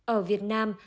ở việt nam